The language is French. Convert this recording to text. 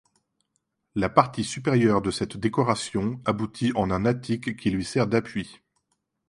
La partie supérieure de cette décoration aboutit en un attique qui lui sert d'appui.